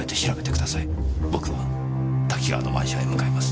僕は多岐川のマンションへ向かいます。